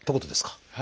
はい。